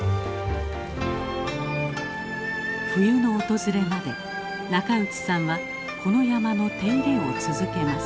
冬の訪れまで中内さんはこの山の手入れを続けます。